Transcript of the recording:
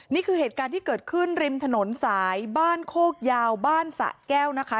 นี่คือเหตุการณ์ที่เกิดขึ้นริมถนนสายบ้านโคกยาวบ้านสะแก้วนะคะ